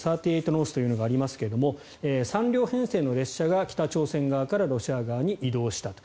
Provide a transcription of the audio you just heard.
ノースというのがありますが３両編成の列車が北朝鮮側からロシア側に移動したと。